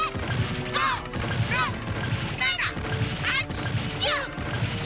５６７８９１０！